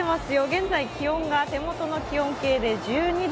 現在、気温が手元の気温計で１２度。